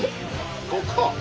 ここ？